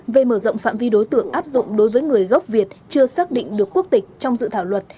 về mở rộng phạm vi đối tượng áp dụng đối với người gốc việt chưa xác định được quốc tịch trong dự thảo luật